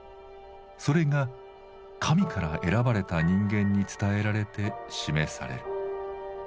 それが神から選ばれた人間に伝えられて示される。